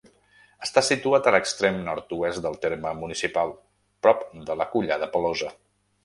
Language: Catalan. Està situada a l'extrem nord-oest del terme municipal, prop de la Collada Pelosa.